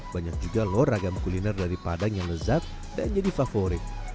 banyak juga loh ragam kuliner dari padang yang lezat dan jadi favorit